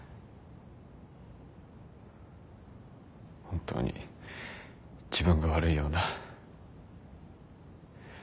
本当に自分が悪いような。